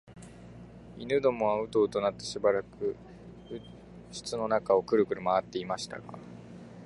犬どもはううとうなってしばらく室の中をくるくる廻っていましたが、